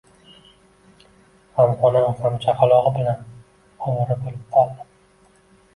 Hamxonam ham chaqalog`i bilan ovora bo`lib qoldi